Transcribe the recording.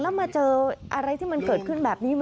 แล้วมาเจออะไรที่มันเกิดขึ้นแบบนี้